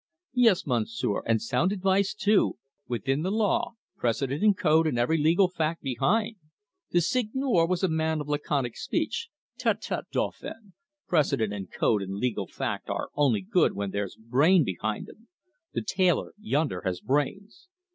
"Yes, Monsieur, and sound advice too, within the law precedent and code and every legal fact behind." The Seigneur was a man of laconic speech. "Tut, tut, Dauphin; precedent and code and legal fact are only good when there's brain behind 'em. The tailor yonder has brains."